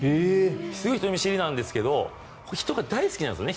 すごい人見知りなんですけど人が大好きなんですね。